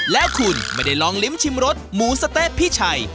และคุณไม่ได้ลองลิ้มชิมรสหมูสะเต๊ะพี่ชัย